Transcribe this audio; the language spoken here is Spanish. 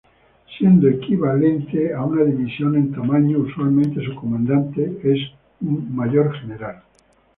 Siendo equivalente a una división en tamaño, usualmente su comandante es un mayor general.